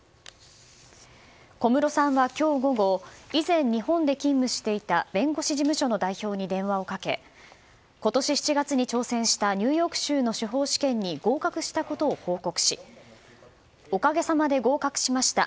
小室さんは今日午後以前、日本で勤務していた弁護士事務所の代表に電話をかけ今年７月に挑戦したニューヨーク州の司法試験に合格したことを報告しおかげさまで合格しました。